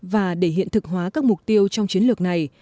và để hiện thực hóa các mục tiêu trong chiến lược này